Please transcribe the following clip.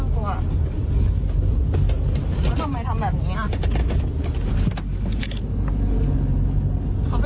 สวัสดีครับ